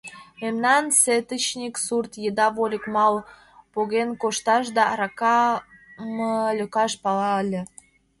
Мемнан сетычник сурт еда вольык-мал поген кошташ да аракам лӧкаш пала ыле.